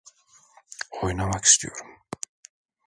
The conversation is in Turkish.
Oynamak istiyorum.